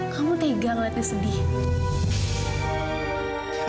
kamu tegang liat dia sedih